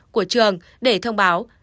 của trường để thông báo